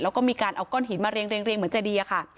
แล้วก็มีการเอาก้อนหินมาเรียงเหมือนเจดีอะค่ะ